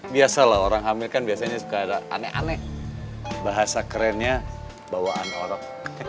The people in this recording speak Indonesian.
biasalah orang hamil kan biasanya suka ada aneh aneh bahasa kerennya bawaan orang